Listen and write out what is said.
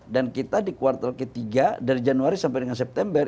dan kita di kuartal ketiga dari januari sampai dengan september